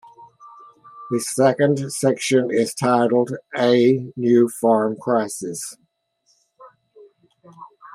The second section is titled, A new farm crisis?